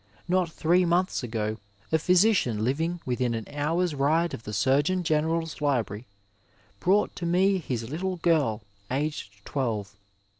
Not three months ago a physician living within an hour's ride of the Surgeon General's Library brought to me his little girl, aged twelve.